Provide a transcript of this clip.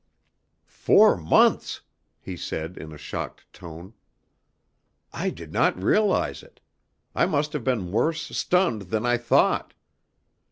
"Four months!" he said in a shocked tone. "I did not realize it; I must have been worse stunned than I thought.